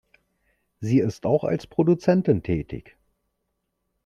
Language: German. Sie ist auch als Produzentin tätig.